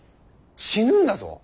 死ぬんだぞ。